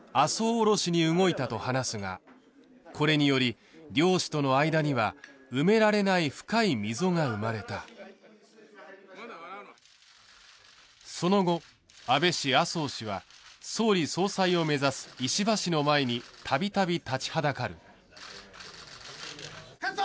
おろしに動いたと話すがこれにより両氏との間には埋められない深い溝が生まれたその後安倍氏麻生氏は総理総裁を目指す石破氏の前にたびたび立ちはだかる勝つぞ！